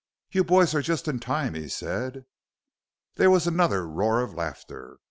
"You boys are just in time," he said. There was another roar of laughter.